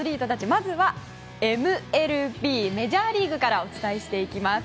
まずはＭＬＢメジャーリーグからお伝えしていきます。